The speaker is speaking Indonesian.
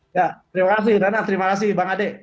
ya terima kasih nana terima kasih bang ade